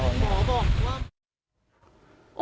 หมอบอกว่า